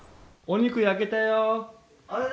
お肉焼けたよ。